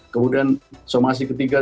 kemudian somasi ketiga